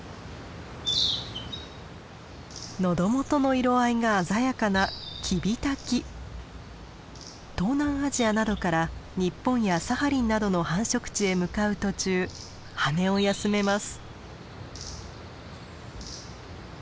喉元の色合いが鮮やかな東南アジアなどから日本やサハリンなどの繁殖地へ向かう途中羽を休めます。